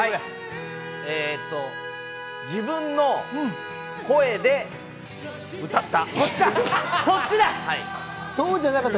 自分の声で歌った。